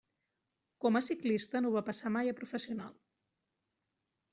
Com a ciclista no va passar mai a professional.